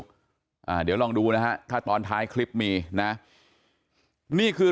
หรือเปล่าก็ไม่รู้เดี๋ยวลองดูนะถ้าตอนท้ายคลิปมีนะนี่คือ